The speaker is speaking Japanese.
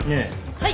はい。